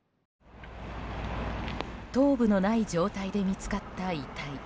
頭部のない状態で見つかった遺体。